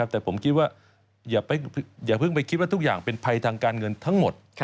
แต่ผมคิดว่าอย่าเพิ่งไปคิดว่าทุกอย่างเป็นภัยทางการเงินทั้งหมด